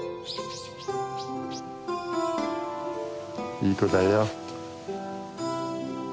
いい子だよ。